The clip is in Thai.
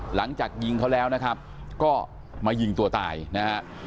หลังจากยิงเขาแล้วนะครับก็มายิงตัวตายนะฮะ